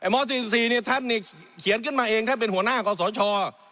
โม๔๔เนี่ยท่านเนี่ยเขียนขึ้นมาเองท่านเป็นหัวหน้ากับสรชา